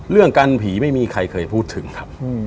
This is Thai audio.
เรื่องกันผีไม่มีใครเคยพูดถึงครับ